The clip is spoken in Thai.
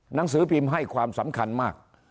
หนังสือพิมพ์ให้ความสำคัญมาก